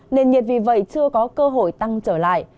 nền nhiệt vì vậy chưa có cơ hội tăng trở lại